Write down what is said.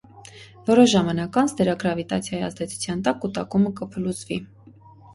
Որոշ ժամանակ անց, դրա գրավիտացիայի ազդեցության տակ կուտակումը կփլուզվի։